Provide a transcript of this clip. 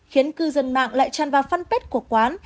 khiến cư dân mạng lại tràn vào fanpage của quán